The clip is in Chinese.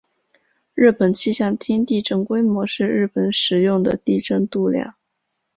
日本气象厅地震规模是日本使用的地震度量。